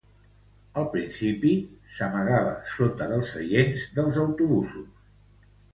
Al principi s'amagava baix dels seients dels autobusos.